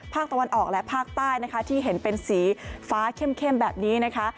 ภาคตะวันออกและภาคใต้นะคะที่เห็นเป็นสีฟ้าเข้มแบบนี้นะคะ